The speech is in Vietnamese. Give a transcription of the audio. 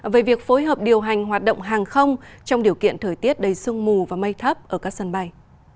về việc phối hợp điều hành hoạt động hàng không trong điều kiện thời tiết đầy sương mù và mây thấp ở các sân bay